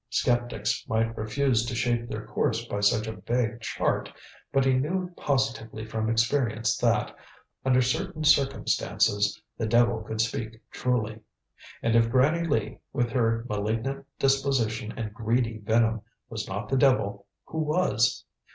Sceptics might refuse to shape their course by such a vague chart, but he knew positively from experience that, under certain circumstances, the devil could speak truly. And if Granny Lee, with her malignant disposition and greedy venom, was not the devil, who was?